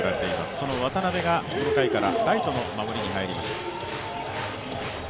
その渡邉がこの回からライトの守りに入りました。